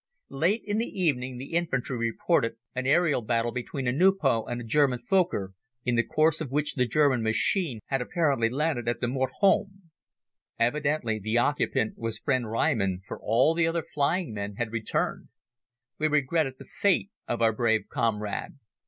Late in the evening the infantry reported an aerial battle between a Nieuport and a German Fokker, in the course of which the German machine had apparently landed at the Mort Homme. Evidently the occupant was friend Reimann for all the other flying men had returned. We regretted the fate of our brave comrade.